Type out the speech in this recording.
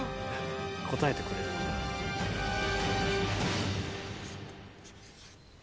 答えてくれるんだ。